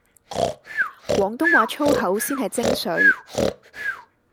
廣東話粗口先係精粹